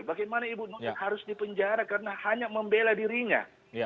bagaimana ibu nur harus dipenjara karena hanya membela dirinya